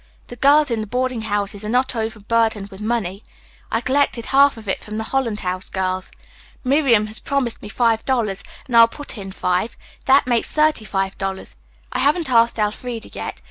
"The girls in the boarding houses are not overburdened with money. I collected half of it from the Holland House girls. Miriam has promised me five dollars and I will put in five. That makes thirty five dollars. I haven't asked Elfreda yet.